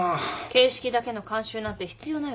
形式だけの慣習なんて必要ないわ。